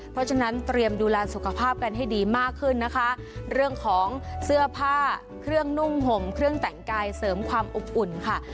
เพราะฉะนั้นเตรียมดูแลสุขภาพกันให้ดีมากขึ้นนะคะเรื่องของเสื้อผ้าเครื่องนุ่งห่มเครื่องแต่งกายเสริมความอบอุ่นค่ะ